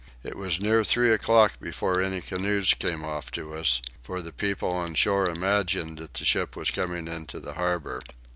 It was near three o'clock before any canoes came off to us, for the people on shore imagined that the ship was coming into the harbour.